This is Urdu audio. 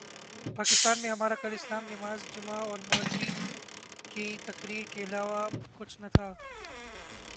پاکستان میں ہمارا کل اسلام نماز جمعہ اور مولبی کی تقریر کے علاوہ کچھ نہ تھا